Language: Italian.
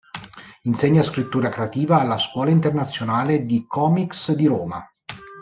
Insegna scrittura creativa alla Scuola Internazionale di Comics di Roma.